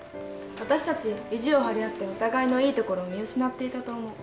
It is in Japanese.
私たち意地を張り合ってお互いのいいところを見失っていたと思う。